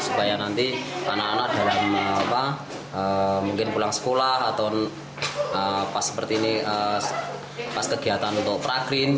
supaya nanti anak anak dalam mungkin pulang sekolah atau pas seperti ini pas kegiatan untuk pragreen